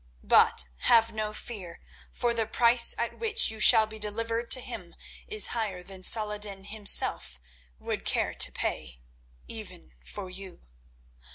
But have no fear, for the price at which you shall be delivered to him is higher than Salah ed din himself would care to pay, even for you.